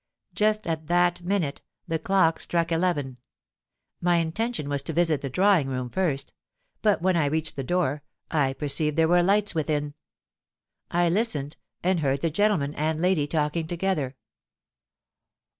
Just at that minute the clock struck eleven. My intention was to visit the drawing room first; but when I reached the door, I perceived there were lights within. I listened, and heard the gentleman and lady talking together.